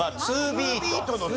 ツービート。